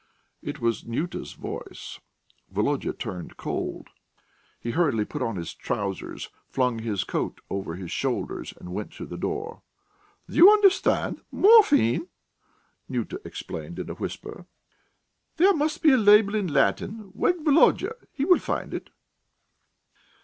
It was Nyuta's voice. Volodya turned cold. He hurriedly put on his trousers, flung his coat over his shoulders, and went to the door. "Do you understand? Morphine," Nyuta explained in a whisper. "There must be a label in Latin. Wake Volodya; he will find it."